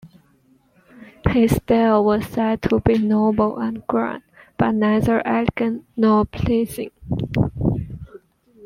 His style was said to be noble and grand, but neither elegant nor pleasing.